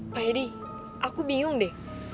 pak edi aku bingung deh